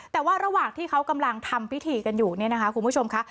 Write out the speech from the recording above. แต่ว่าระหว่างที่เขากำลังทำพิธีกันอยู่เนี่ยนะคะคุณผู้ชมค่ะ